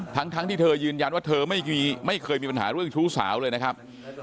ทั้งที่เธอยืนยันว่าเธอไม่เคยมีปัญหาเรื่องชู้สาวเลยนะครับ